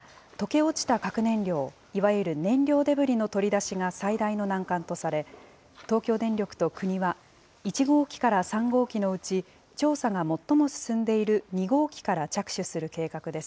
福島第一原発の廃炉では、溶け落ちた核燃料、いわゆる燃料デブリの取り出しが最大の難関とされ、東京電力と国は１号機から３号機のうち調査が最も進んでいる２号機から着手する計画です。